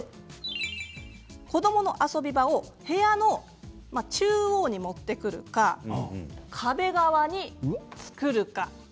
子どもの遊び場を部屋の中央に持ってくるか壁側に作るか。